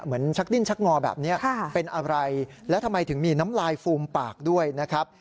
ชักดิ้นชักงอแบบนี้เป็นอะไรแล้วทำไมถึงมีน้ำลายฟูมปากด้วยนะครับ